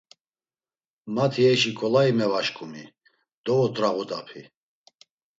Mati heşi ǩolai mevaşǩumi dovot̆rağudapi.